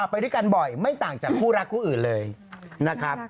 ไปด้วยกันบ่อยไม่ต่างจากคู่รักคู่อื่นเลยนะครับ